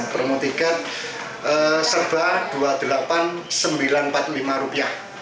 promo tiket serba rp dua puluh delapan sembilan ratus empat puluh lima